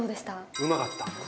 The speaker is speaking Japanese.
うまかった。